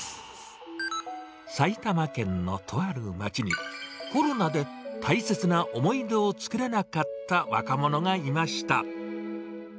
埼玉県のとある街に、コロナで大切な思い出を作れなかった若者がいました。